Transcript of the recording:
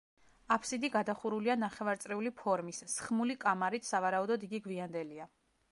აფსიდი გადახურულია ნახევარწრიული ფორმის, სხმული კამარით სავარაუდოდ იგი გვიანდელია.